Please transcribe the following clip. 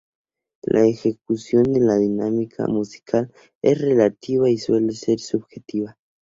La ejecución de la dinámica musical es relativa y suele ser subjetiva.